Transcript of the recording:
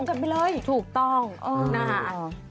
กันไปเลยถูกต้องเอ่อน่าอ่ะ